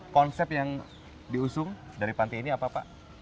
konsep yang diusung dari panti ini apa pak